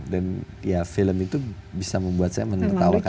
dan ya film itu bisa membuat saya menertawakan hidup